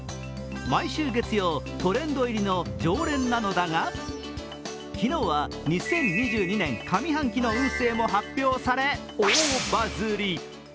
毎週月曜、トレンド入りの常連なのだが、昨日は２０２２年上半期の運勢も発表され大バズり。